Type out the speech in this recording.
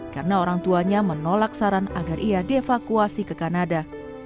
karena orang tuanya menolak saran agar ia dievakuasi ke kanada